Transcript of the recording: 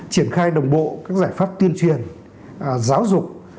triển khai đồng bộ các giải pháp tuyên truyền giáo dục